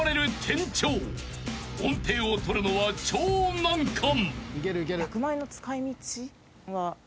［音程をとるのは超難関］